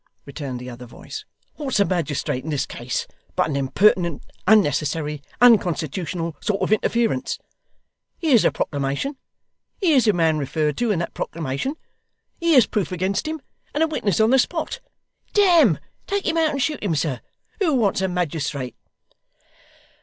returned the other voice. 'What's a magistrate in this case, but an impertinent, unnecessary, unconstitutional sort of interference? Here's a proclamation. Here's a man referred to in that proclamation. Here's proof against him, and a witness on the spot. Damme! Take him out and shoot him, sir. Who wants a magistrate?